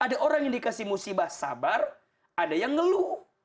ada orang yang dikasih musibah sabar ada yang ngeluh